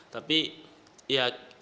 tapi ya saya tidak tahu